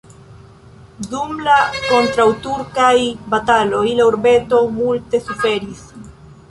Dum la kontraŭturkaj bataloj la urbeto multe suferis.